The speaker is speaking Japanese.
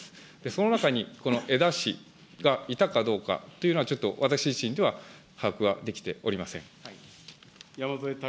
その中にこのえだ氏がいたかどうかというのは、ちょっと私自身は把握はできておりません。